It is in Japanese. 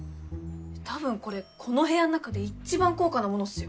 多分これこの部屋の中で一番高価なものっすよ。